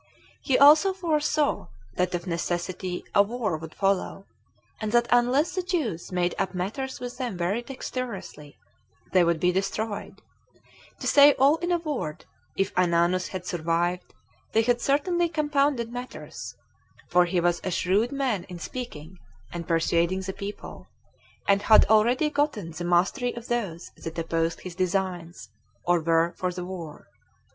He also foresaw that of necessity a war would follow, and that unless the Jews made up matters with them very dexterously, they would be destroyed; to say all in a word, if Ananus had survived, they had certainly compounded matters; for he was a shrewd man in speaking and persuading the people, and had already gotten the mastery of those that opposed his designs, or were for the war.